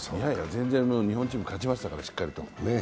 全然、日本チーム勝ちましたから、しっかりと。